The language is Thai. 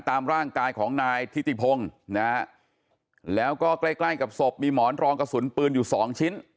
ตามร่างกายของนายทิติพงศ์นะฮะแล้วก็ใกล้ใกล้กับศพมีหมอนรองกระสุนปืนอยู่สองชิ้น